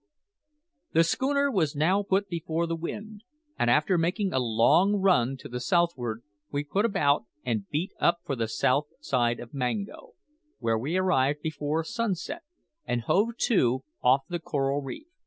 The schooner was now put before the wind, and after making a long run to the southward, we put about and beat up for the south side of Mango, where we arrived before sunset, and hove to off the coral reef.